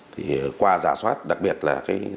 thì qua giả soát đặc biệt là thông tin